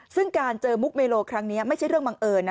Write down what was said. ซึ่งการเจอมุกเมโลครั้งนี้ไม่ใช่เรื่องบังเอิญนะ